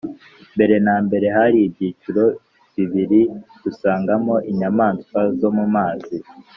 mbere na mbere hari ibyiciro bibiri dusangamo inyamaswa zo mu mazi.